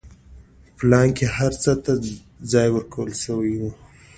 پلان کې هر څه ته ځای ورکړل شوی و.